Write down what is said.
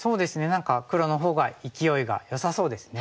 何か黒のほうが勢いがよさそうですね。